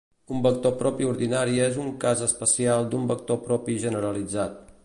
Un vector propi ordinari és un cas especial d'un vector propi generalitzat.